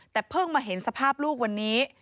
แต่เพิ่งมาเห็นสภาพลูกวันนี้